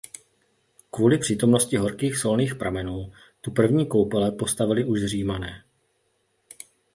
Kvůli přítomnosti horkých solných pramenů tu první koupele postavili už Římané.